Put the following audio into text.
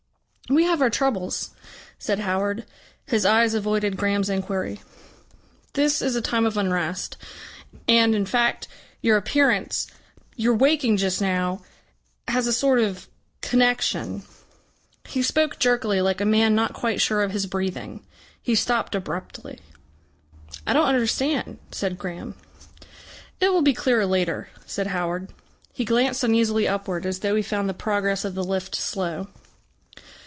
"We have our troubles," said Howard. His eyes avoided Graham's enquiry. "This is a time of unrest. And, in fact, your appearance, your waking just now, has a sort of connexion " He spoke jerkily, like a man not quite sure of his breathing. He stopped abruptly. "I don't understand," said Graham. "It will be clearer later," said Howard. He glanced uneasily upward, as though he found the progress of the lift slow.